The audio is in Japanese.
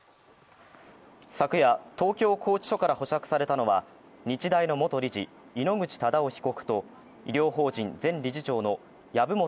昨夜、東京拘置所から保釈されたのは日大の元理事、井ノ口忠男被告と医療法人前理事長の籔本